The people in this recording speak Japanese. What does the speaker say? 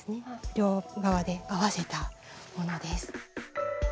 両側で合わせたものです。